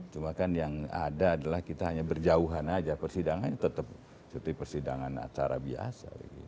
cuma kan yang ada adalah kita hanya berjauhan aja persidangannya tetap seperti persidangan acara biasa